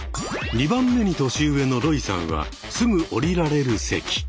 ２番目に年上のロイさんはすぐ降りられる席。